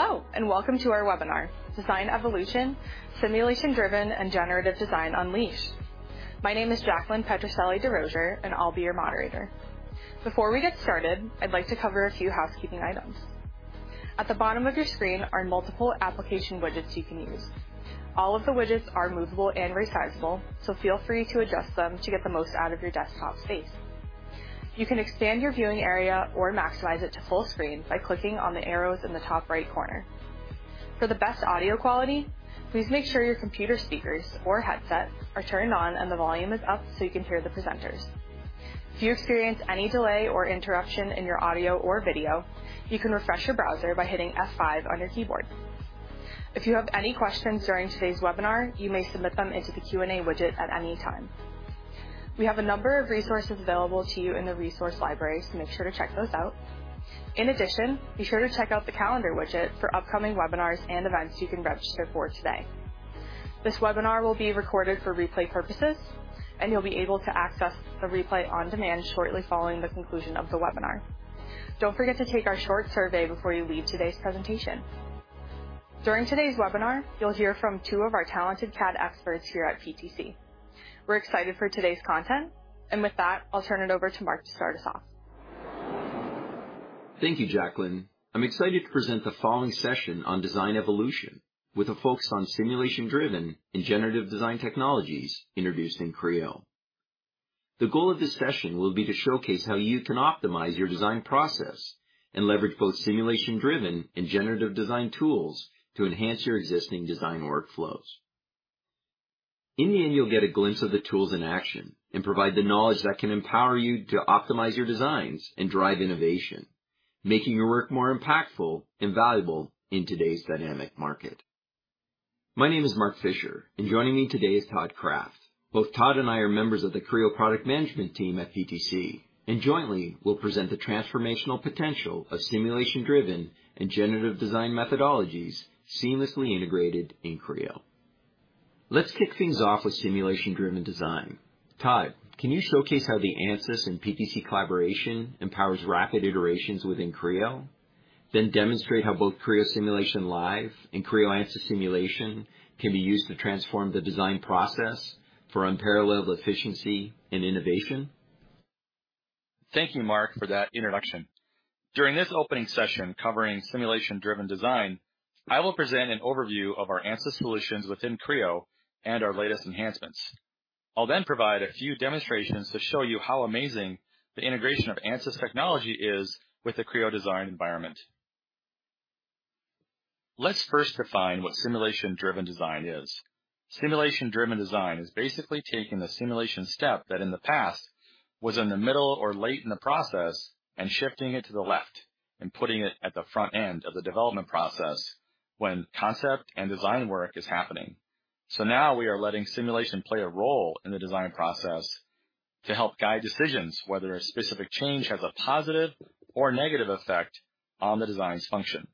Hello, and welcome to our webinar, Design Evolution: Simulation-Driven and Generative Design Unleashed. My name is Jacqueline Pietruselli-DeRosier, and I'll be your moderator. Before we get started, I'd like to cover a few housekeeping items. At the bottom of your screen are multiple application widgets you can use. All of the widgets are movable and resizable, so feel free to adjust them to get the most out of your desktop space. You can expand your viewing area or maximize it to full screen by clicking on the arrows in the top right corner. For the best audio quality, please make sure your computer speakers or headset are turned on and the volume is up so you can hear the presenters. If you experience any delay or interruption in your audio or video, you can refresh your browser by hitting F5 on your keyboard. If you have any questions during today's webinar, you may submit them into the Q&A widget at any time. We have a number of resources available to you in the resource library, so make sure to check those out. In addition, be sure to check out the calendar widget for upcoming webinars and events you can register for today. This webinar will be recorded for replay purposes, and you'll be able to access the replay on demand shortly following the conclusion of the webinar. Don't forget to take our short survey before you leave today's presentation. During today's webinar, you'll hear from two of our talented CAD experts here at PTC. We're excited for today's content, and with that, I'll turn it over to Mark to start us off. Thank you, Jacqueline. I'm excited to present the following session on Design Evolution with a focus on simulation-driven and generative design technologies introduced in Creo. The goal of this session will be to showcase how you can optimize your design process and leverage both simulation-driven and generative design tools to enhance your existing design workflows. In the end, you'll get a glimpse of the tools in action and provide the knowledge that can empower you to optimize your designs and drive innovation, making your work more impactful and valuable in today's dynamic market. My name is Mark Fischer, and joining me today is Todd Kraft. Both Todd and I are members of the Creo Product Management Team at PTC, and jointly, we'll present the transformational potential of simulation-driven and generative design methodologies seamlessly integrated in Creo. Let's kick things off with simulation-driven design. Todd, can you showcase how the Ansys and PTC collaboration empowers rapid iterations within Creo? Can you demonstrate how both Creo Simulation Live and Creo Ansys Simulation can be used to transform the design process for unparalleled efficiency and innovation? Thank you, Mark, for that introduction. During this opening session covering simulation-driven design, I will present an overview of our Ansys solutions within Creo and our latest enhancements. I'll then provide a few demonstrations to show you how amazing the integration of Ansys technology is with the Creo design environment. Let's first define what simulation-driven design is. Simulation-driven design is basically taking the simulation step that in the past was in the middle or late in the process and shifting it to the left and putting it at the front end of the development process when concept and design work is happening. Now we are letting simulation play a role in the design process to help guide decisions whether a specific change has a positive or negative effect on the design's function.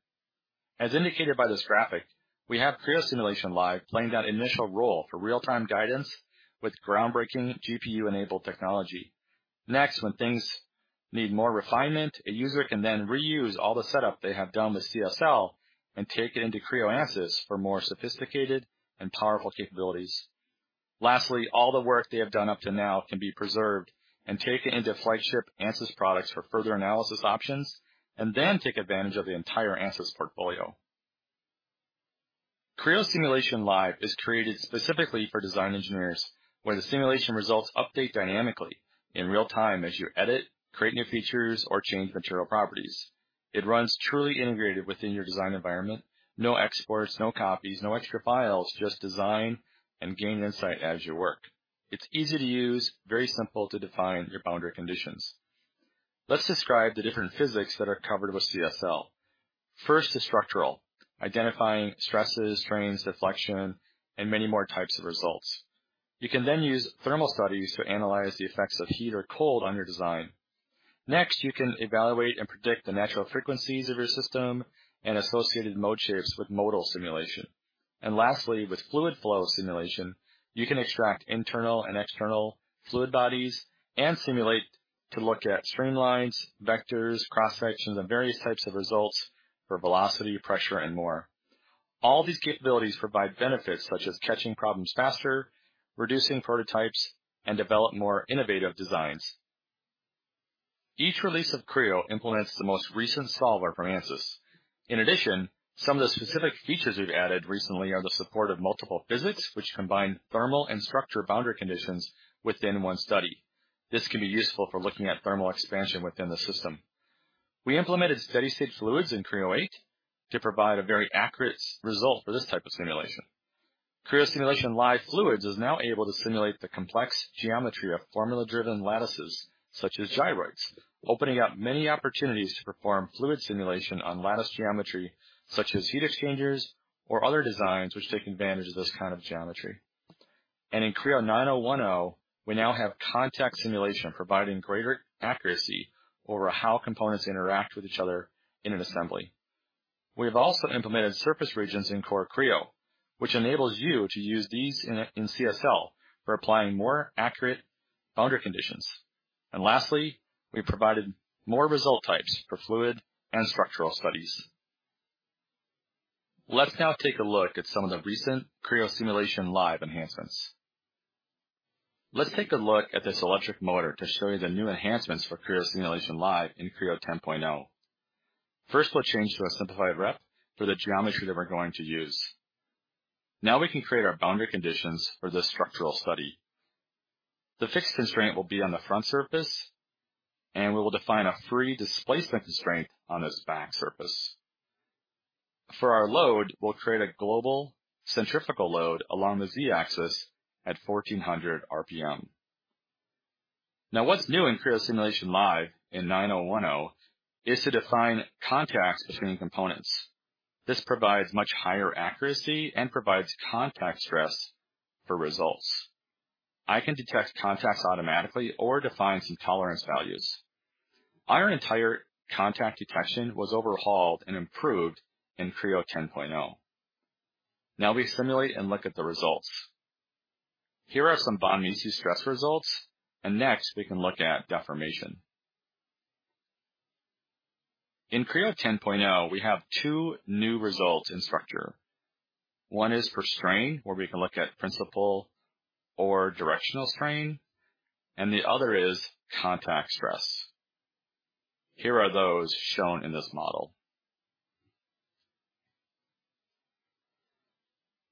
As indicated by this graphic, we have Creo Simulation Live playing that initial role for real-time guidance with groundbreaking GPU-enabled technology. Next, when things need more refinement, a user can then reuse all the setup they have done with CSL and take it into Creo Ansys for more sophisticated and powerful capabilities. Lastly, all the work they have done up to now can be preserved and taken into flagship Ansys products for further analysis options and then take advantage of the entire Ansys portfolio. Creo Simulation Live is created specifically for design engineers where the simulation results update dynamically in real time as you edit, create new features, or change material properties. It runs truly integrated within your design environment. No exports, no copies, no extra files, just design and gain insight as you work. It's easy to use, very simple to define your boundary conditions. Let's describe the different physics that are covered with CSL. First is structural, identifying stresses, strains, deflection, and many more types of results. You can then use thermal studies to analyze the effects of heat or cold on your design. Next, you can evaluate and predict the natural frequencies of your system and associated mode shapes with modal simulation. Lastly, with fluid flow simulation, you can extract internal and external fluid bodies and simulate to look at streamlines, vectors, cross-sections, and various types of results for velocity, pressure, and more. All these capabilities provide benefits such as catching problems faster, reducing prototypes, and developing more innovative designs. Each release of Creo implements the most recent solver from Ansys. In addition, some of the specific features we've added recently are the support of multiple physics, which combine thermal and structural boundary conditions within one study. This can be useful for looking at thermal expansion within the system. We implemented steady-state fluids in Creo 8 to provide a very accurate result for this type of simulation. Creo Simulation Live fluids is now able to simulate the complex geometry of formula-driven lattices such as gyroids, opening up many opportunities to perform fluid simulation on lattice geometry such as heat exchangers or other designs which take advantage of this kind of geometry. In Creo 9.0.1.0, we now have contact simulation providing greater accuracy over how components interact with each other in an assembly. We have also implemented surface regions in Core Creo, which enables you to use these in CSL for applying more accurate boundary conditions. Lastly, we provided more result types for fluid and structural studies. Let's now take a look at some of the recent Creo Simulation Live enhancements. Let's take a look at this electric motor to show you the new enhancements for Creo Simulation Live in Creo 10.0. First, we'll change to a simplified rep for the geometry that we're going to use. Now we can create our boundary conditions for this structural study. The fixed constraint will be on the front surface, and we will define a free displacement constraint on this back surface. For our load, we'll create a global centrifugal load along the Z-axis at 1,400 RPM. Now, what's new in Creo Simulation Live in 9.0.1.0 is to define contacts between components. This provides much higher accuracy and provides contact stress for results. I can detect contacts automatically or define some tolerance values. Our entire contact detection was overhauled and improved in Creo 10.0. Now we simulate and look at the results. Here are some Von Mises stress results, and next we can look at deformation. In Creo 10.0, we have two new results in structure. One is per strain, where we can look at principal or directional strain, and the other is contact stress. Here are those shown in this model.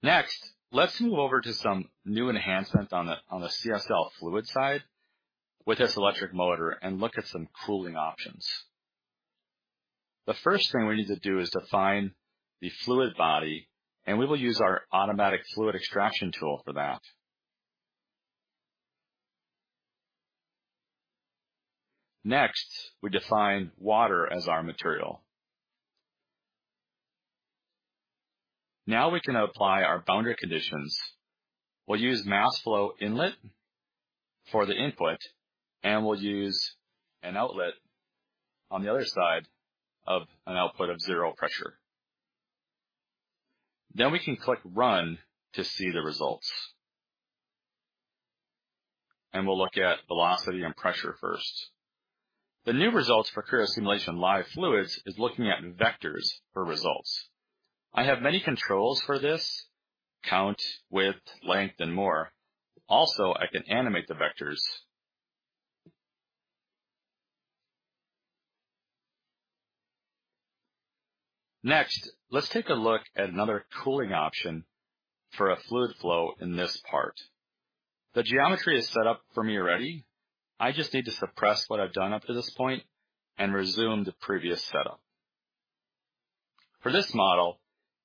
Next, let's move over to some new enhancements on the CSL fluid side with this electric motor and look at some cooling options. The first thing we need to do is define the fluid body, and we will use our automatic fluid extraction tool for that. Next, we define water as our material. Now we can apply our boundary conditions. We'll use mass flow inlet for the input, and we'll use an outlet on the other side of an output of zero pressure. We can click run to see the results. We will look at velocity and pressure first. The new results for Creo Simulation Live fluids is looking at vectors for results. I have many controls for this: count, width, length, and more. Also, I can animate the vectors. Next, let's take a look at another cooling option for a fluid flow in this part. The geometry is set up for me already. I just need to suppress what I've done up to this point and resume the previous setup. For this model,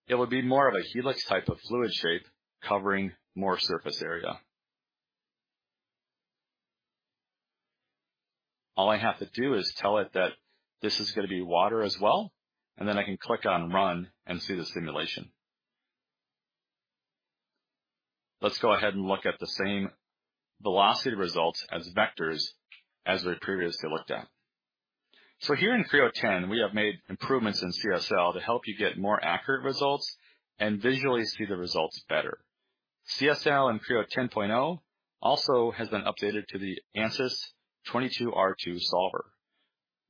it would be more of a helix type of fluid shape covering more surface area. All I have to do is tell it that this is going to be water as well, and then I can click on run and see the simulation. Let's go ahead and look at the same velocity results as vectors as we previously looked at. Here in Creo 10, we have made improvements in CSL to help you get more accurate results and visually see the results better. CSL in Creo 10.0 also has been updated to the Ansys 22R2 solver.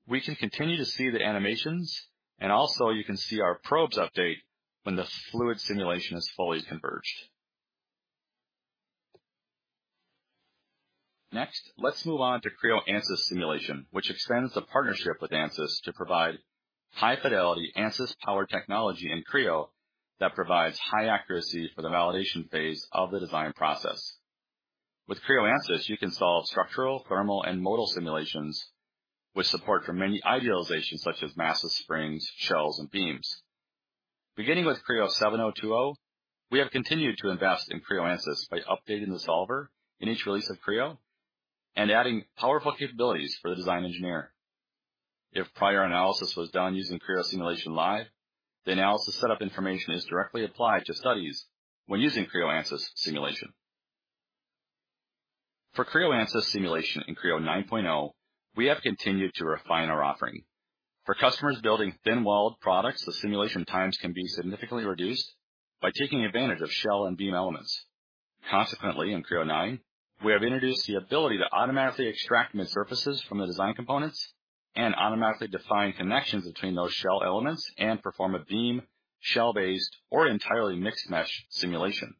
We can continue to see the animations, and also you can see our probes update when the fluid simulation is fully converged. Next, let's move on to Creo Ansys Simulation, which extends the partnership with Ansys to provide high-fidelity Ansys-powered technology in Creo that provides high accuracy for the validation phase of the design process. With Creo Ansys, you can solve structural, thermal, and modal simulations with support for many idealizations such as massive springs, shells, and beams. Beginning with Creo 7.0.2.0, we have continued to invest in Creo Ansys by updating the solver in each release of Creo and adding powerful capabilities for the design engineer. If prior analysis was done using Creo Simulation Live, the analysis setup information is directly applied to studies when using Creo Ansys Simulation. For Creo Ansys Simulation in Creo 9.0, we have continued to refine our offering. For customers building thin-walled products, the simulation times can be significantly reduced by taking advantage of shell and beam elements. Consequently, in Creo 9, we have introduced the ability to automatically extract mid-surfaces from the design components and automatically define connections between those shell elements and perform a beam, shell-based, or entirely mixed-mesh simulation.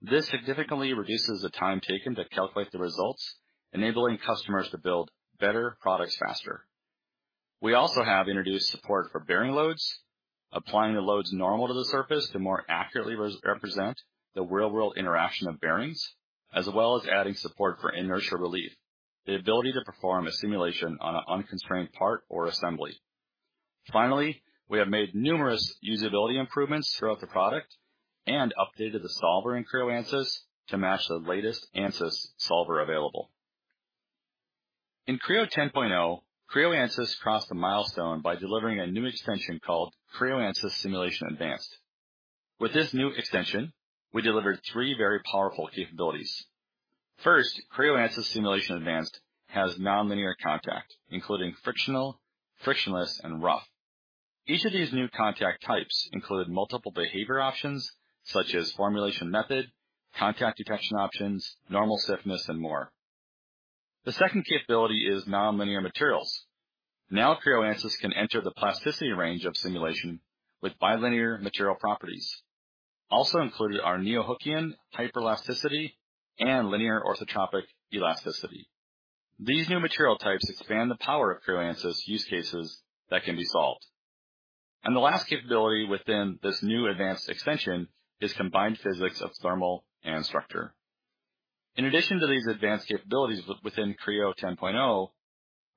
This significantly reduces the time taken to calculate the results, enabling customers to build better products faster. We also have introduced support for bearing loads, applying the loads normal to the surface to more accurately represent the real-world interaction of bearings, as well as adding support for inertia relief, the ability to perform a simulation on an unconstrained part or assembly. Finally, we have made numerous usability improvements throughout the product and updated the solver in Creo Ansys to match the latest Ansys solver available. In Creo 10.0, Creo Ansys crossed a milestone by delivering a new extension called Creo Ansys Simulation Advanced. With this new extension, we delivered three very powerful capabilities. First, Creo Ansys Simulation Advanced has non-linear contact, including frictional, frictionless, and rough. Each of these new contact types includes multiple behavior options such as formulation method, contact detection options, normal stiffness, and more. The second capability is non-linear materials. Now Creo Ansys can enter the plasticity range of simulation with bilinear material properties. Also included are neo-Hookean, hyperelasticity, and linear orthotropic elasticity. These new material types expand the power of Creo Ansys use cases that can be solved. The last capability within this new advanced extension is combined physics of thermal and structure. In addition to these advanced capabilities within Creo 10.0,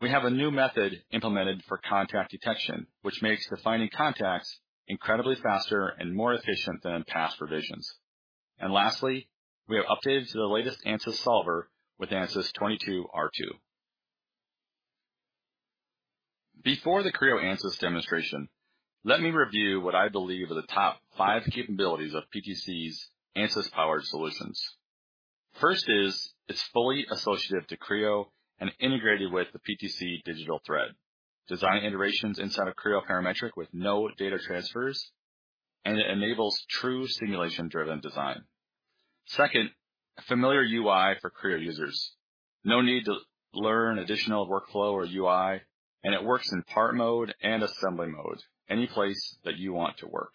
we have a new method implemented for contact detection, which makes defining contacts incredibly faster and more efficient than past revisions. Lastly, we have updated to the latest Ansys solver with Ansys 22R2. Before the Creo Ansys demonstration, let me review what I believe are the top five capabilities of PTC's Ansys-powered solutions. First is it's fully associative to Creo and integrated with the PTC digital thread, design iterations inside of Creo parametric with no data transfers, and it enables true simulation-driven design. Second, a familiar UI for Creo users. No need to learn additional workflow or UI, and it works in part mode and assembly mode, any place that you want to work.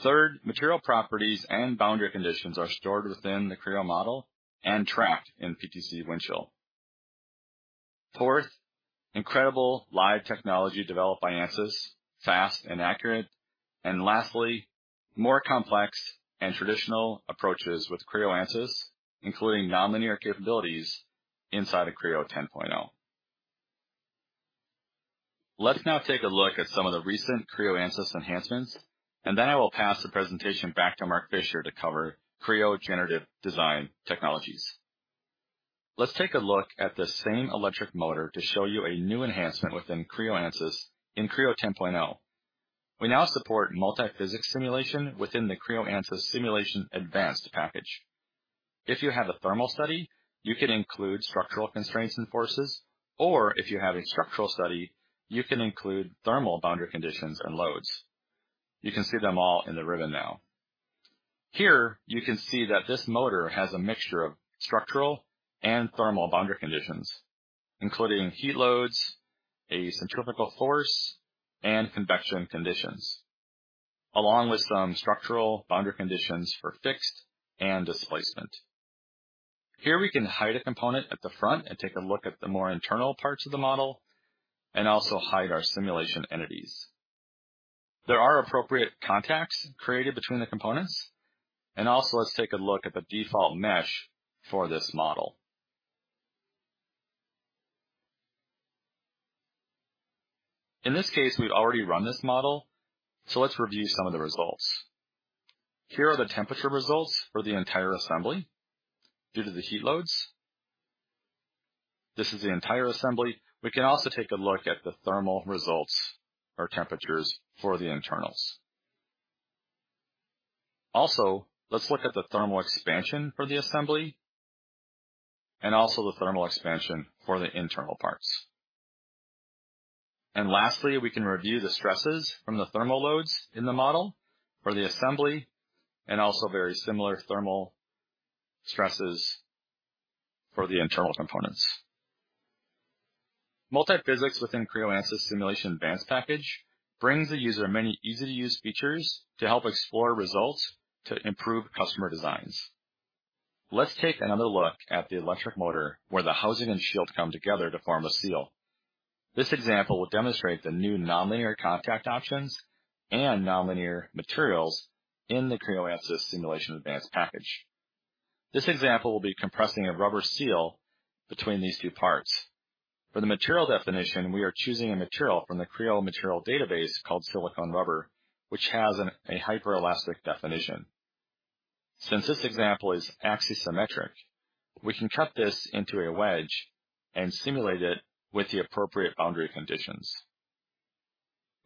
Third, material properties and boundary conditions are stored within the Creo model and tracked in PTC Windchill. Fourth, incredible live technology developed by Ansys, fast and accurate. Lastly, more complex and traditional approaches with Creo Ansys, including non-linear capabilities inside of Creo 10.0. Let's now take a look at some of the recent Creo Ansys enhancements, and then I will pass the presentation back to Mark Fischer to cover Creo generative design technologies. Let's take a look at the same electric motor to show you a new enhancement within Creo Ansys in Creo 10.0. We now support multi-physics simulation within the Creo Ansys Simulation Advanced package. If you have a thermal study, you can include structural constraints and forces, or if you have a structural study, you can include thermal boundary conditions and loads. You can see them all in the ribbon now. Here, you can see that this motor has a mixture of structural and thermal boundary conditions, including heat loads, a centrifugal force, and convection conditions, along with some structural boundary conditions for fixed and displacement. Here we can hide a component at the front and take a look at the more internal parts of the model, and also hide our simulation entities. There are appropriate contacts created between the components, and also let's take a look at the default mesh for this model. In this case, we've already run this model, so let's review some of the results. Here are the temperature results for the entire assembly due to the heat loads. This is the entire assembly. We can also take a look at the thermal results or temperatures for the internals. Also, let's look at the thermal expansion for the assembly and also the thermal expansion for the internal parts. Lastly, we can review the stresses from the thermal loads in the model for the assembly and also very similar thermal stresses for the internal components. Multi-physics within Creo Ansys Simulation Advanced package brings the user many easy-to-use features to help explore results to improve customer designs. Let's take another look at the electric motor where the housing and shield come together to form a seal. This example will demonstrate the new non-linear contact options and non-linear materials in the Creo Ansys Simulation Advanced package. This example will be compressing a rubber seal between these two parts. For the material definition, we are choosing a material from the Creo material database called Silicone Rubber, which has a hyperelastic definition. Since this example is axisymmetric, we can cut this into a wedge and simulate it with the appropriate boundary conditions.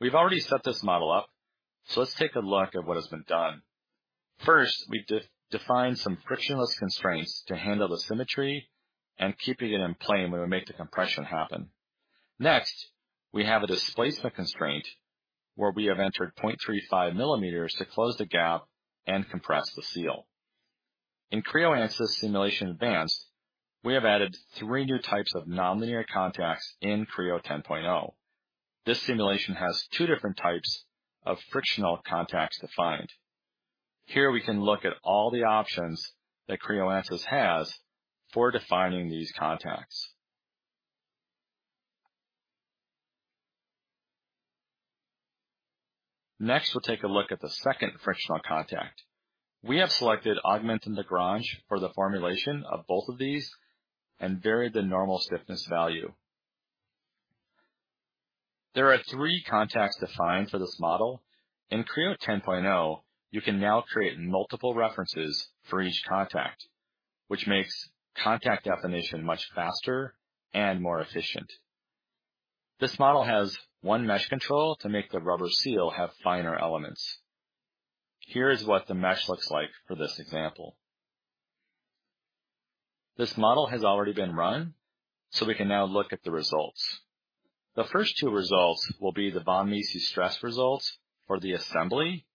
We've already set this model up, so let's take a look at what has been done. First, we've defined some frictionless constraints to handle the symmetry and keeping it in plane when we make the compression happen. Next, we have a displacement constraint where we have entered 0.35 mm to close the gap and compress the seal. In Creo Ansys Simulation Advanced, we have added three new types of non-linear contacts in Creo 10.0. This simulation has two different types of frictional contacts defined. Here we can look at all the options that Creo Ansys has for defining these contacts. Next, we'll take a look at the second frictional contact. We have selected Augmentin deGrange for the formulation of both of these and varied the normal stiffness value. There are three contacts defined for this model. In Creo 10.0, you can now create multiple references for each contact, which makes contact definition much faster and more efficient. This model has one mesh control to make the rubber seal have finer elements. Here is what the mesh looks like for this example. This model has already been run, so we can now look at the results. The first two results will be the Von Mises stress results for the assembly,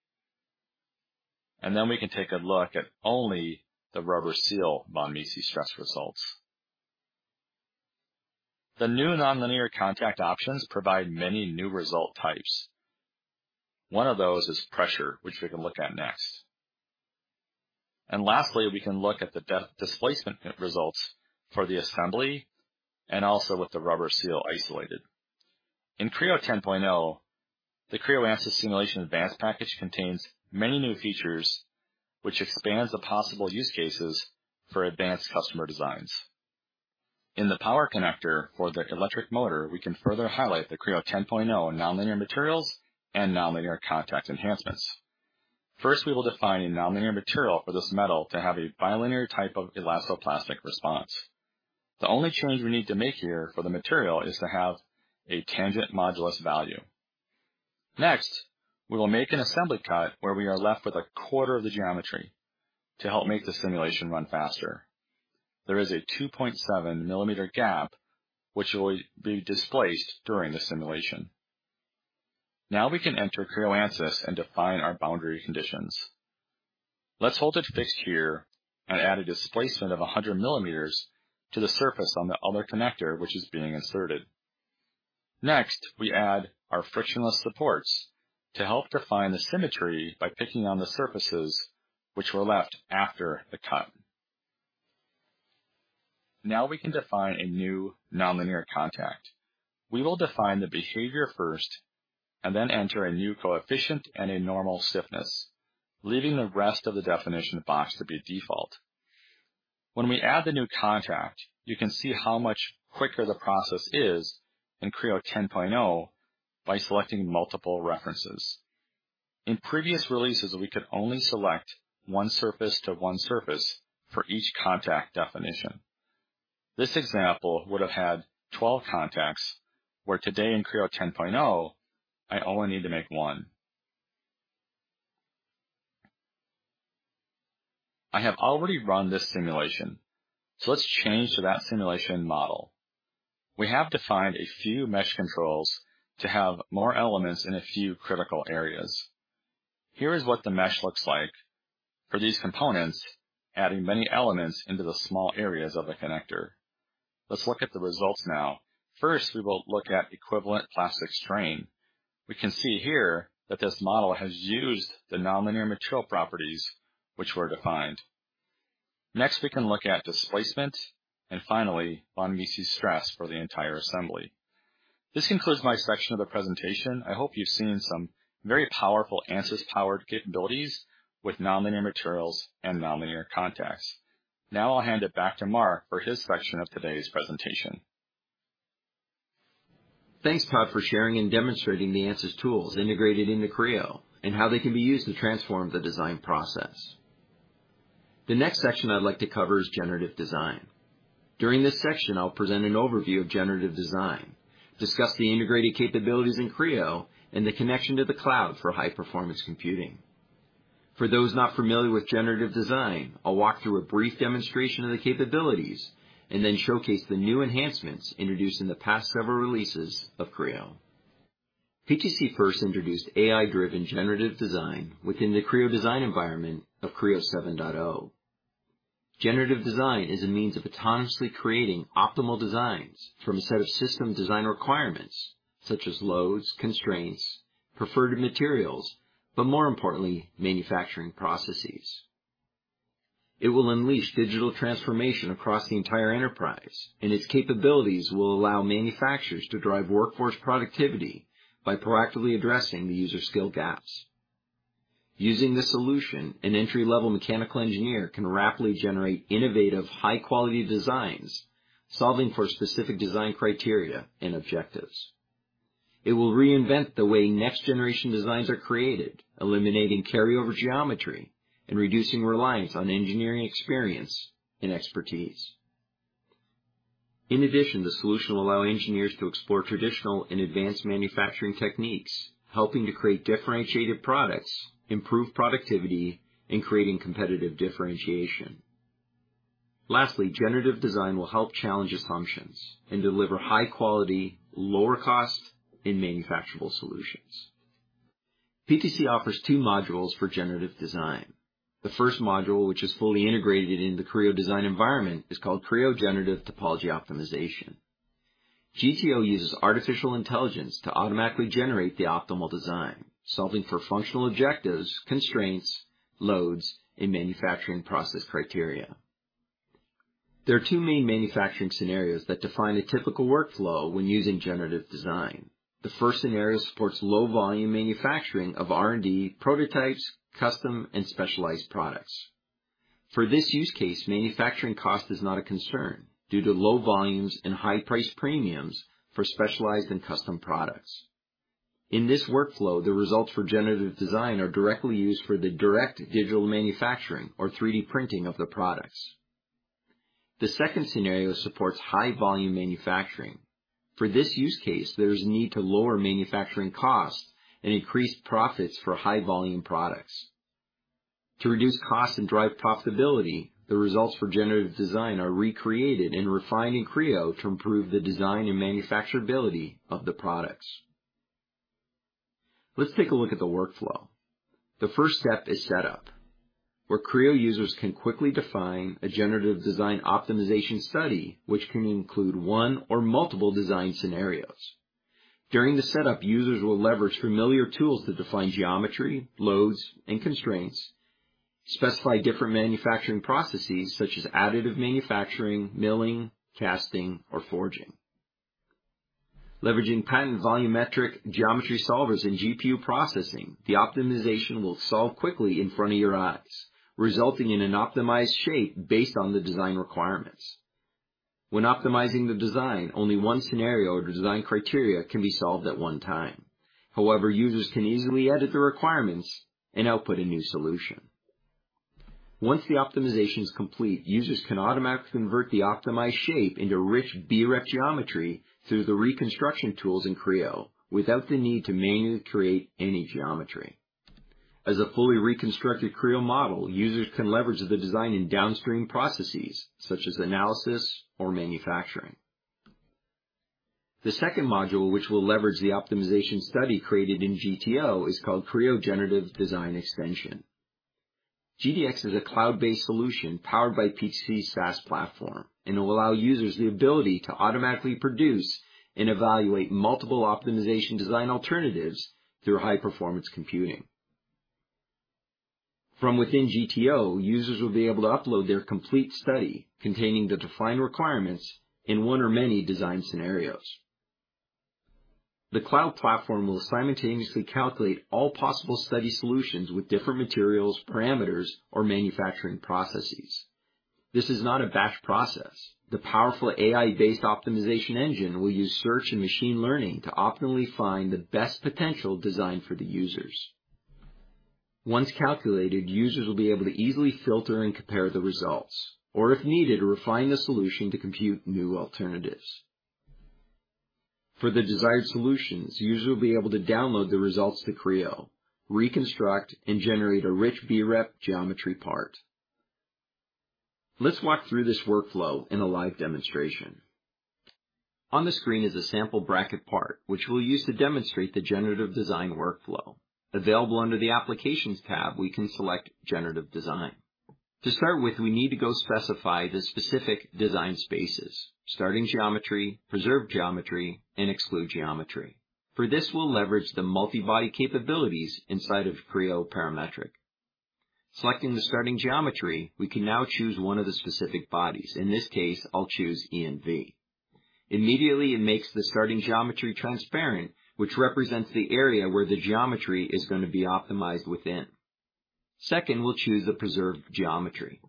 and then we can take a look at only the rubber seal Von Mises stress results. The new non-linear contact options provide many new result types. One of those is pressure, which we can look at next. Lastly, we can look at the displacement results for the assembly and also with the rubber seal isolated. In Creo 10.0, the Creo Ansys Simulation Advanced package contains many new features, which expands the possible use cases for advanced customer designs. In the power connector for the electric motor, we can further highlight the Creo 10.0 non-linear materials and non-linear contact enhancements. First, we will define a non-linear material for this metal to have a bilinear type of elastoplastic response. The only change we need to make here for the material is to have a tangent modulus value. Next, we will make an assembly cut where we are left with a quarter of the geometry to help make the simulation run faster. There is a 2.7 mm gap, which will be displaced during the simulation. Now we can enter Creo Ansys and define our boundary conditions. Let's hold it fixed here and add a displacement of 100 mm to the surface on the other connector, which is being inserted. Next, we add our frictionless supports to help define the symmetry by picking on the surfaces which were left after the cut. Now we can define a new non-linear contact. We will define the behavior first and then enter a new coefficient and a normal stiffness, leaving the rest of the definition box to be default. When we add the new contact, you can see how much quicker the process is in Creo 10.0 by selecting multiple references. In previous releases, we could only select one surface to one surface for each contact definition. This example would have had 12 contacts, where today in Creo 10.0, I only need to make one. I have already run this simulation, so let's change to that simulation model. We have defined a few mesh controls to have more elements in a few critical areas. Here is what the mesh looks like for these components, adding many elements into the small areas of the connector. Let's look at the results now. First, we will look at equivalent plastic strain. We can see here that this model has used the non-linear material properties which were defined. Next, we can look at displacement and finally Von Mises stress for the entire assembly. This concludes my section of the presentation. I hope you've seen some very powerful Ansys-powered capabilities with non-linear materials and non-linear contacts. Now I'll hand it back to Mark for his section of today's presentation. Thanks, Todd, for sharing and demonstrating the Ansys tools integrated into Creo and how they can be used to transform the design process. The next section I'd like to cover is generative design. During this section, I'll present an overview of generative design, discuss the integrated capabilities in Creo and the connection to the cloud for high-performance computing. For those not familiar with generative design, I'll walk through a brief demonstration of the capabilities and then showcase the new enhancements introduced in the past several releases of Creo. PTC first introduced AI-driven generative design within the Creo design environment of Creo 7.0. Generative design is a means of autonomously creating optimal designs from a set of system design requirements, such as loads, constraints, preferred materials, but more importantly, manufacturing processes. It will unleash digital transformation across the entire enterprise, and its capabilities will allow manufacturers to drive workforce productivity by proactively addressing the user skill gaps. Using this solution, an entry-level mechanical engineer can rapidly generate innovative, high-quality designs, solving for specific design criteria and objectives. It will reinvent the way next-generation designs are created, eliminating carryover geometry and reducing reliance on engineering experience and expertise. In addition, the solution will allow engineers to explore traditional and advanced manufacturing techniques, helping to create differentiated products, improve productivity, and create competitive differentiation. Lastly, generative design will help challenge assumptions and deliver high-quality, lower-cost, and manufacturable solutions. PTC offers two modules for generative design. The first module, which is fully integrated into the Creo design environment, is called Creo Generative Topology Optimization. GTO uses artificial intelligence to automatically generate the optimal design, solving for functional objectives, constraints, loads, and manufacturing process criteria. There are two main manufacturing scenarios that define a typical workflow when using generative design. The first scenario supports low-volume manufacturing of R&D prototypes, custom, and specialized products. For this use case, manufacturing cost is not a concern due to low volumes and high price premiums for specialized and custom products. In this workflow, the results for generative design are directly used for the direct digital manufacturing or 3D printing of the products. The second scenario supports high-volume manufacturing. For this use case, there is a need to lower manufacturing costs and increase profits for high-volume products. To reduce costs and drive profitability, the results for generative design are recreated and refined in Creo to improve the design and manufacturability of the products. Let's take a look at the workflow. The first step is setup, where Creo users can quickly define a generative design optimization study, which can include one or multiple design scenarios. During the setup, users will leverage familiar tools to define geometry, loads, and constraints, specify different manufacturing processes such as additive manufacturing, milling, casting, or forging. Leveraging patent volumetric geometry solvers and GPU processing, the optimization will solve quickly in front of your eyes, resulting in an optimized shape based on the design requirements. When optimizing the design, only one scenario or design criteria can be solved at one time. However, users can easily edit the requirements and output a new solution. Once the optimization is complete, users can automatically convert the optimized shape into rich B-Rep geometry through the reconstruction tools in Creo without the need to manually create any geometry. As a fully reconstructed Creo model, users can leverage the design in downstream processes such as analysis or manufacturing. The second module, which will leverage the optimization study created in GTO, is called Creo Generative Design Extension. GDX is a cloud-based solution powered by PTC's SaaS platform, and it will allow users the ability to automatically produce and evaluate multiple optimization design alternatives through high-performance computing. From within GTO, users will be able to upload their complete study containing the defined requirements in one or many design scenarios. The cloud platform will simultaneously calculate all possible study solutions with different materials, parameters, or manufacturing processes. This is not a batch process. The powerful AI-based optimization engine will use search and machine learning to optimally find the best potential design for the users. Once calculated, users will be able to easily filter and compare the results, or if needed, refine the solution to compute new alternatives. For the desired solutions, users will be able to download the results to Creo, reconstruct, and generate a rich B-Rep geometry part. Let's walk through this workflow in a live demonstration. On the screen is a sample bracket part, which we'll use to demonstrate the generative design workflow. Available under the applications tab, we can select generative design. To start with, we need to go specify the specific design spaces: starting geometry, preserve geometry, and exclude geometry. For this, we'll leverage the multi-body capabilities inside of Creo Parametric. Selecting the starting geometry, we can now choose one of the specific bodies. In this case, I'll choose E and V. Immediately, it makes the starting geometry transparent, which represents the area where the geometry is going to be optimized within. Second, we'll choose the preserve geometry.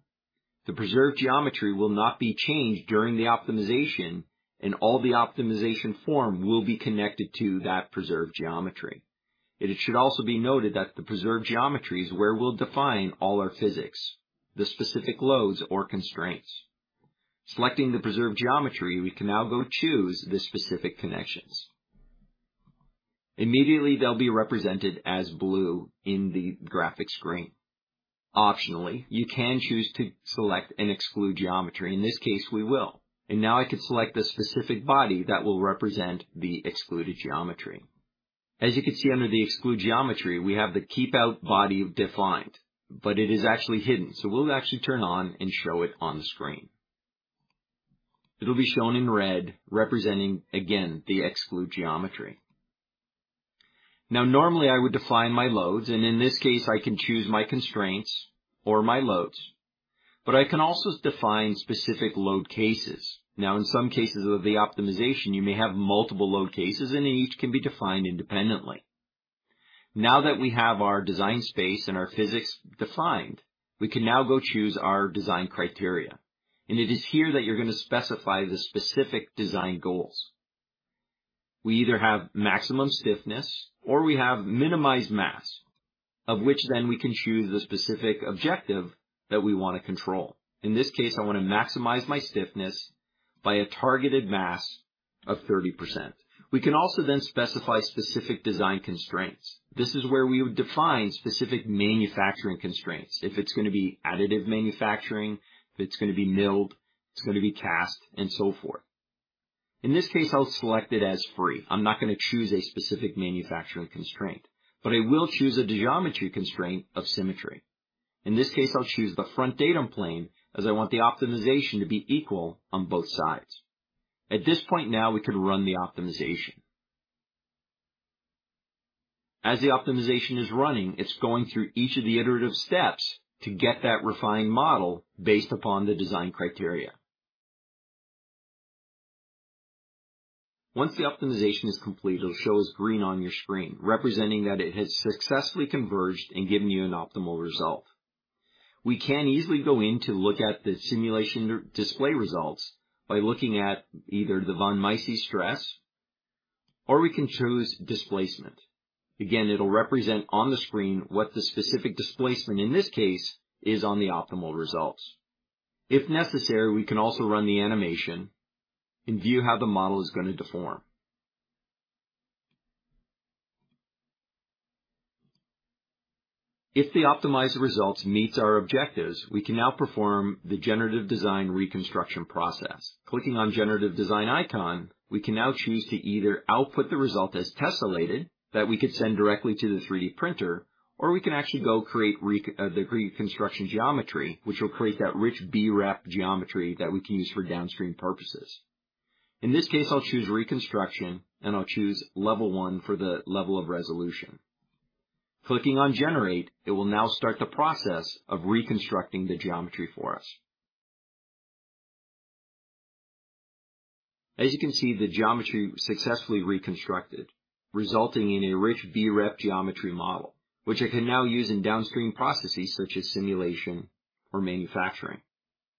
The preserve geometry will not be changed during the optimization, and all the optimization form will be connected to that preserve geometry. It should also be noted that the preserve geometry is where we'll define all our physics, the specific loads or constraints. Selecting the preserve geometry, we can now go choose the specific connections. Immediately, they'll be represented as blue in the graphic screen. Optionally, you can choose to select and exclude geometry. In this case, we will. Now I can select the specific body that will represent the excluded geometry. As you can see under the exclude geometry, we have the keep out body defined, but it is actually hidden, so we'll actually turn on and show it on the screen. It'll be shown in red, representing again the exclude geometry. Normally I would define my loads, and in this case, I can choose my constraints or my loads, but I can also define specific load cases. In some cases of the optimization, you may have multiple load cases, and each can be defined independently. Now that we have our design space and our physics defined, we can now go choose our design criteria. It is here that you're going to specify the specific design goals. We either have maximum stiffness or we have minimized mass, of which then we can choose the specific objective that we want to control. In this case, I want to maximize my stiffness by a targeted mass of 30%. We can also then specify specific design constraints. This is where we would define specific manufacturing constraints. If it's going to be additive manufacturing, if it's going to be milled, it's going to be cast, and so forth. In this case, I'll select it as free. I'm not going to choose a specific manufacturing constraint, but I will choose a geometry constraint of symmetry. In this case, I'll choose the front datum plane as I want the optimization to be equal on both sides. At this point now, we can run the optimization. As the optimization is running, it's going through each of the iterative steps to get that refined model based upon the design criteria. Once the optimization is complete, it'll show as green on your screen, representing that it has successfully converged and given you an optimal result. We can easily go in to look at the simulation display results by looking at either the Von Mises stress, or we can choose displacement. Again, it'll represent on the screen what the specific displacement in this case is on the optimal results. If necessary, we can also run the animation and view how the model is going to deform. If the optimized results meet our objectives, we can now perform the generative design reconstruction process. Clicking on the generative design icon, we can now choose to either output the result as tessellated that we could send directly to the 3D printer, or we can actually go create the reconstruction geometry, which will create that rich B-Rep geometry that we can use for downstream purposes. In this case, I'll choose reconstruction, and I'll choose level one for the level of resolution. Clicking on generate, it will now start the process of reconstructing the geometry for us. As you can see, the geometry successfully reconstructed, resulting in a rich B-Rep geometry model, which I can now use in downstream processes such as simulation or manufacturing.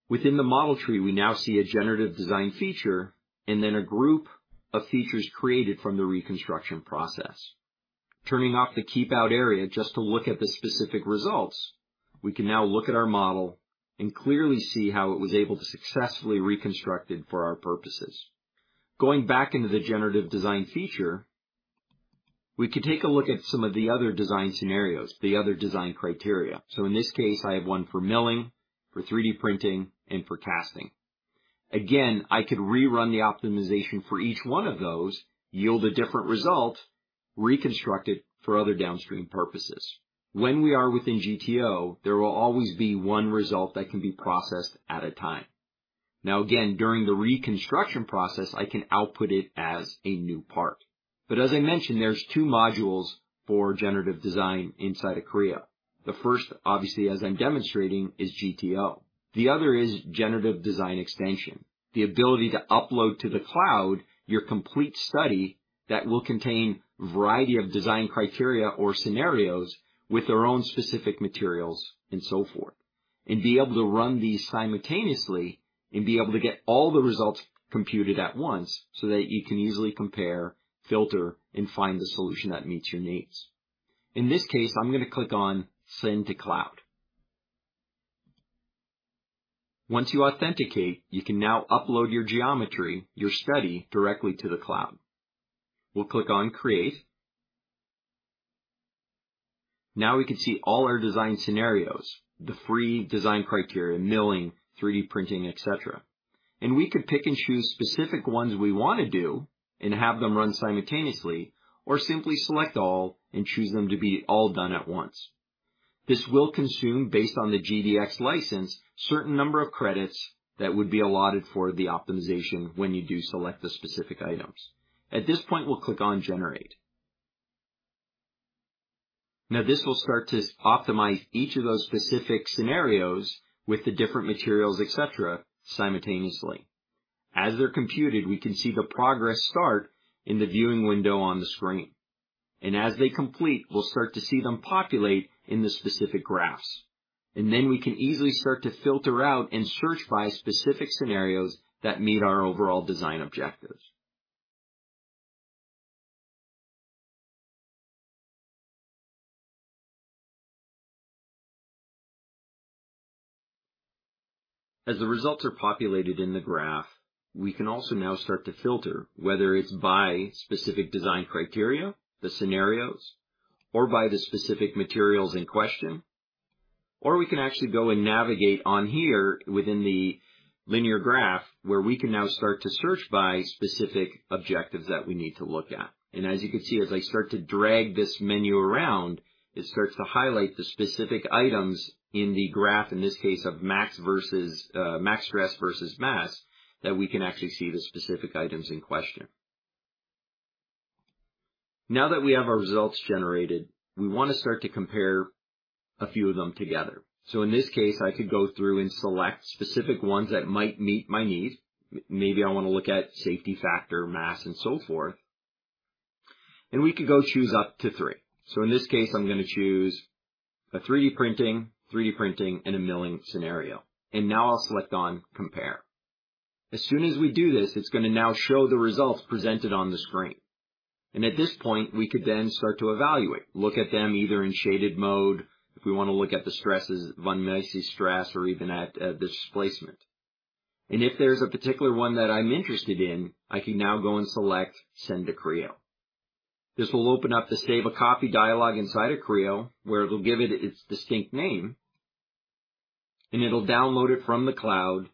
Within the model tree, we now see a generative design feature and then a group of features created from the reconstruction process. Turning off the keep out area just to look at the specific results, we can now look at our model and clearly see how it was able to successfully reconstruct for our purposes. Going back into the generative design feature, we could take a look at some of the other design scenarios, the other design criteria. In this case, I have one for milling, for 3D printing, and for casting. Again, I could rerun the optimization for each one of those, yield a different result, reconstruct it for other downstream purposes. When we are within GTO, there will always be one result that can be processed at a time. Again, during the reconstruction process, I can output it as a new part. As I mentioned, there are two modules for generative design inside of Creo. The first, obviously, as I'm demonstrating, is GTO. The other is generative design extension, the ability to upload to the cloud your complete study that will contain a variety of design criteria or scenarios with their own specific materials and so forth, and be able to run these simultaneously and be able to get all the results computed at once so that you can easily compare, filter, and find the solution that meets your needs. In this case, I'm going to click on send to cloud. Once you authenticate, you can now upload your geometry, your study directly to the cloud. We'll click on create. Now we can see all our design scenarios, the free design criteria, milling, 3D printing, etc. We could pick and choose specific ones we want to do and have them run simultaneously or simply select all and choose them to be all done at once. This will consume, based on the GDX license, a certain number of credits that would be allotted for the optimization when you do select the specific items. At this point, we'll click on generate. This will start to optimize each of those specific scenarios with the different materials, etc., simultaneously. As they're computed, we can see the progress start in the viewing window on the screen. As they complete, we'll start to see them populate in the specific graphs. We can easily start to filter out and search by specific scenarios that meet our overall design objectives. As the results are populated in the graph, we can also now start to filter whether it's by specific design criteria, the scenarios, or by the specific materials in question, or we can actually go and navigate on here within the linear graph where we can now start to search by specific objectives that we need to look at. As you can see, as I start to drag this menu around, it starts to highlight the specific items in the graph, in this case of max stress versus mass, that we can actually see the specific items in question. Now that we have our results generated, we want to start to compare a few of them together. In this case, I could go through and select specific ones that might meet my need. Maybe I want to look at safety factor, mass, and so forth. We could go choose up to three. In this case, I'm going to choose a 3D printing, 3D printing, and a milling scenario. Now I'll select on compare. As soon as we do this, it's going to now show the results presented on the screen. At this point, we could then start to evaluate, look at them either in shaded mode if we want to look at the stresses, Von Mises stress, or even at the displacement. If there's a particular one that I'm interested in, I can now go and select send to Creo. This will open up the save a copy dialog inside of Creo where it'll give it its distinct name, and it'll download it from the cloud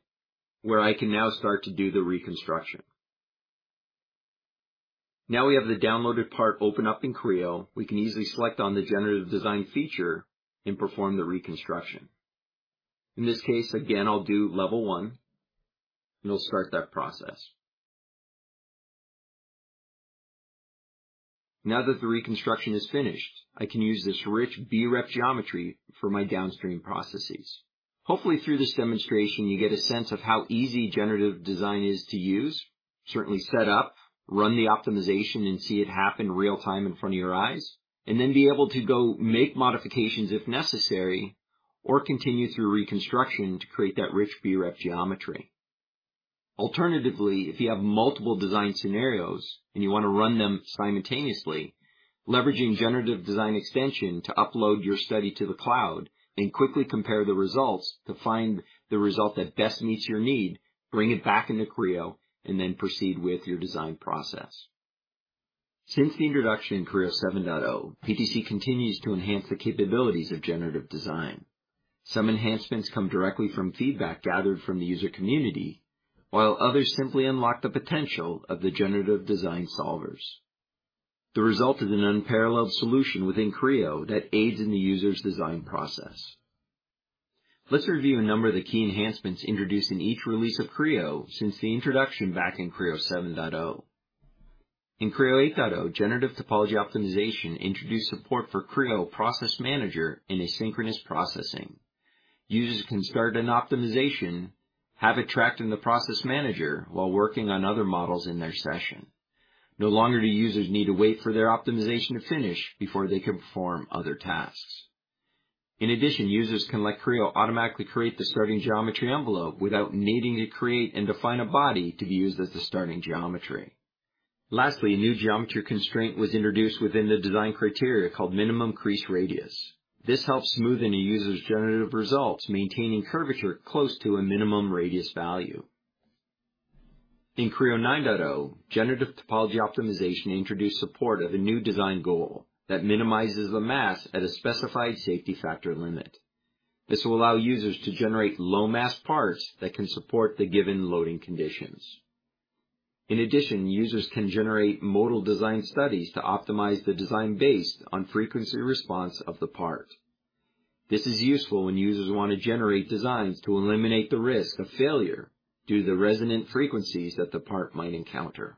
where I can now start to do the reconstruction. Now we have the downloaded part open up in Creo. We can easily select on the generative design feature and perform the reconstruction. In this case, again, I'll do level one, and it'll start that process. Now that the reconstruction is finished, I can use this rich B-Rep geometry for my downstream processes. Hopefully, through this demonstration, you get a sense of how easy generative design is to use, certainly set up, run the optimization, and see it happen real time in front of your eyes, and then be able to go make modifications if necessary or continue through reconstruction to create that rich B-Rep geometry. Alternatively, if you have multiple design scenarios and you want to run them simultaneously, leveraging Generative Design Extension to upload your study to the cloud and quickly compare the results to find the result that best meets your need, bring it back into Creo, and then proceed with your design process. Since the introduction in Creo 7.0, PTC continues to enhance the capabilities of generative design. Some enhancements come directly from feedback gathered from the user community, while others simply unlock the potential of the generative design solvers. The result is an unparalleled solution within Creo that aids in the user's design process. Let's review a number of the key enhancements introduced in each release of Creo since the introduction back in Creo 7.0. In Creo 8.0, generative topology optimization introduced support for Creo Process Manager and asynchronous processing. Users can start an optimization, have it tracked in the Process Manager while working on other models in their session. No longer do users need to wait for their optimization to finish before they can perform other tasks. In addition, users can let Creo automatically create the starting geometry envelope without needing to create and define a body to be used as the starting geometry. Lastly, a new geometry constraint was introduced within the design criteria called minimum crease radius. This helps smoothen a user's generative results, maintaining curvature close to a minimum radius value. In Creo 9.0, generative topology optimization introduced support of a new design goal that minimizes the mass at a specified safety factor limit. This will allow users to generate low mass parts that can support the given loading conditions. In addition, users can generate modal design studies to optimize the design based on frequency response of the part. This is useful when users want to generate designs to eliminate the risk of failure due to the resonant frequencies that the part might encounter.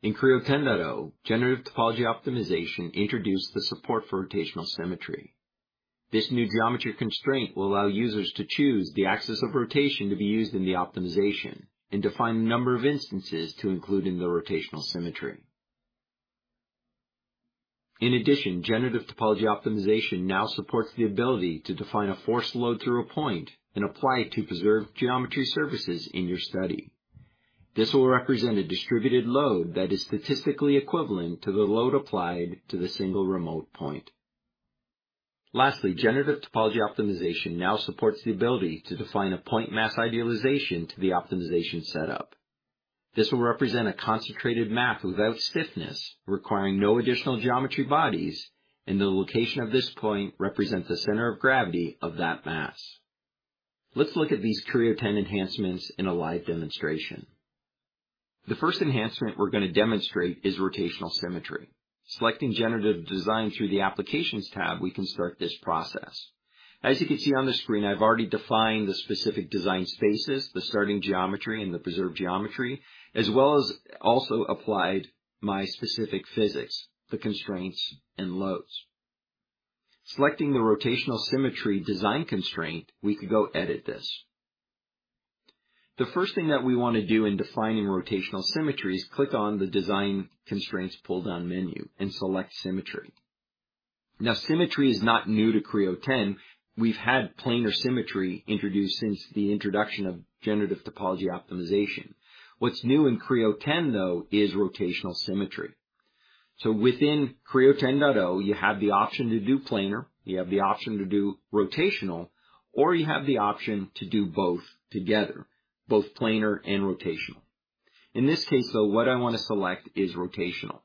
In Creo 10.0, generative topology optimization introduced the support for rotational symmetry. This new geometry constraint will allow users to choose the axis of rotation to be used in the optimization and define the number of instances to include in the rotational symmetry. In addition, generative topology optimization now supports the ability to define a force load through a point and apply it to preserve geometry surfaces in your study. This will represent a distributed load that is statistically equivalent to the load applied to the single remote point. Lastly, generative topology optimization now supports the ability to define a point mass idealization to the optimization setup. This will represent a concentrated mass without stiffness, requiring no additional geometry bodies, and the location of this point represents the center of gravity of that mass. Let's look at these Creo 10 enhancements in a live demonstration. The first enhancement we're going to demonstrate is rotational symmetry. Selecting generative design through the applications tab, we can start this process. As you can see on the screen, I've already defined the specific design spaces, the starting geometry and the preserved geometry, as well as also applied my specific physics, the constraints and loads. Selecting the rotational symmetry design constraint, we could go edit this. The first thing that we want to do in defining rotational symmetry is click on the design constraints pull down menu and select symmetry. Now, symmetry is not new to Creo 10. We've had planar symmetry introduced since the introduction of generative topology optimization. What's new in Creo 10, though, is rotational symmetry. Within Creo 10.0, you have the option to do planar, you have the option to do rotational, or you have the option to do both together, both planar and rotational. In this case, though, what I want to select is rotational.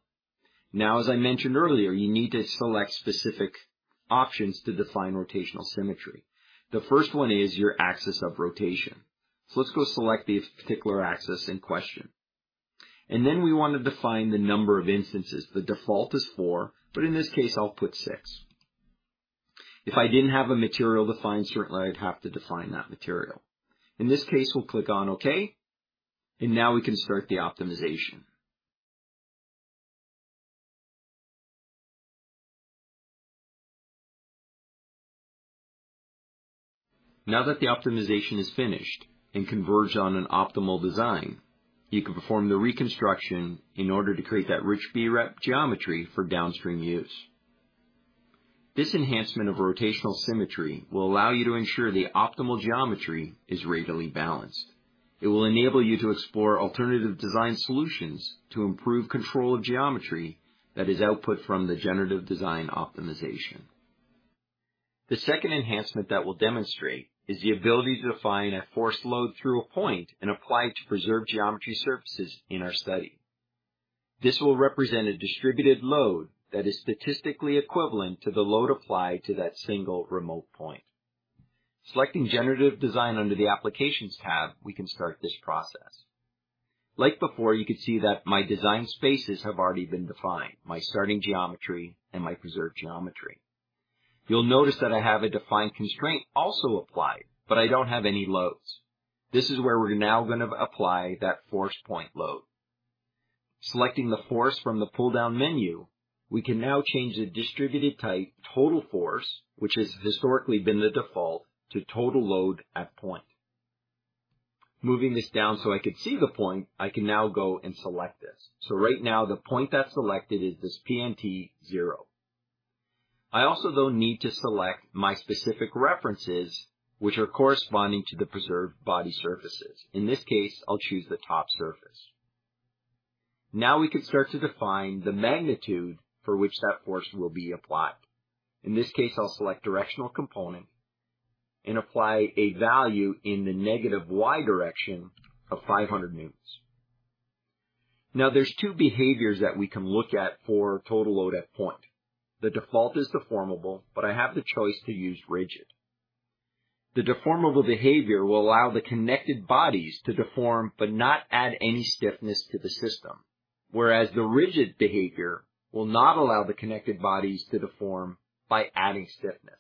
Now, as I mentioned earlier, you need to select specific options to define rotational symmetry. The first one is your axis of rotation. Let's go select the particular axis in question. Then we want to define the number of instances. The default is four, but in this case, I'll put six. If I didn't have a material defined, certainly I'd have to define that material. In this case, we'll click on okay, and now we can start the optimization. Now that the optimization is finished and converged on an optimal design, you can perform the reconstruction in order to create that rich B-Rep geometry for downstream use. This enhancement of rotational symmetry will allow you to ensure the optimal geometry is radially balanced. It will enable you to explore alternative design solutions to improve control of geometry that is output from the generative design optimization. The second enhancement that we'll demonstrate is the ability to define a force load through a point and apply it to preserve geometry surfaces in our study. This will represent a distributed load that is statistically equivalent to the load applied to that single remote point. Selecting generative design under the applications tab, we can start this process. Like before, you could see that my design spaces have already been defined, my starting geometry and my preserved geometry. You'll notice that I have a defined constraint also applied, but I don't have any loads. This is where we're now going to apply that force point load. Selecting the force from the pull down menu, we can now change the distributed type total force, which has historically been the default, to total load at point. Moving this down so I could see the point, I can now go and select this. Right now, the point that's selected is this PNT0. I also, though, need to select my specific references, which are corresponding to the preserved body surfaces. In this case, I'll choose the top surface. Now we can start to define the magnitude for which that force will be applied. In this case, I'll select directional component and apply a value in the negative y direction of 500 newtons. Now there's two behaviors that we can look at for total load at point. The default is deformable, but I have the choice to use rigid. The deformable behavior will allow the connected bodies to deform but not add any stiffness to the system, whereas the rigid behavior will not allow the connected bodies to deform by adding stiffness.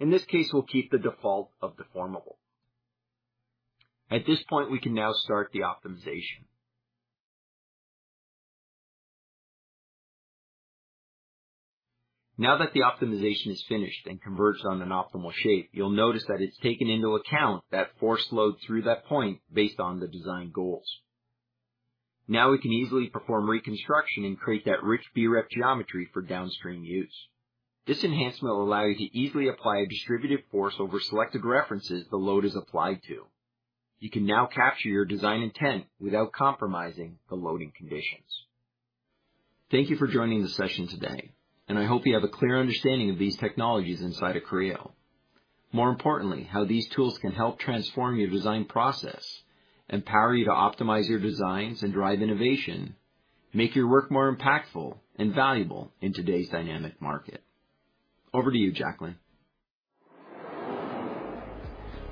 In this case, we'll keep the default of deformable. At this point, we can now start the optimization. Now that the optimization is finished and converged on an optimal shape, you'll notice that it's taken into account that force load through that point based on the design goals. Now we can easily perform reconstruction and create that rich B-Rep geometry for downstream use. This enhancement will allow you to easily apply a distributed force over selected references the load is applied to. You can now capture your design intent without compromising the loading conditions. Thank you for joining the session today, and I hope you have a clear understanding of these technologies inside of Creo. More importantly, how these tools can help transform your design process, empower you to optimize your designs and drive innovation, make your work more impactful and valuable in today's dynamic market. Over to you, Jacqueline.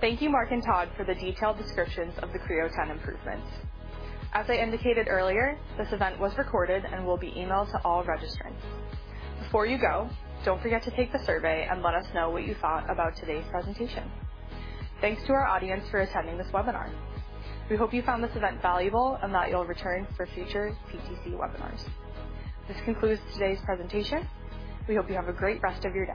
Thank you, Mark and Todd, for the detailed descriptions of the Creo 10 improvements. As I indicated earlier, this event was recorded and will be emailed to all registrants. Before you go, don't forget to take the survey and let us know what you thought about today's presentation. Thanks to our audience for attending this webinar. We hope you found this event valuable and that you'll return for future PTC webinars. This concludes today's presentation. We hope you have a great rest of your day.